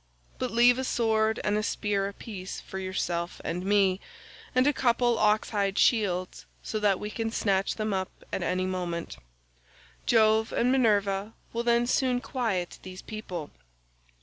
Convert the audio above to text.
But leave a sword and a spear apiece for yourself and me, and a couple of oxhide shields so that we can snatch them up at any moment; Jove and Minerva will then soon quiet these people.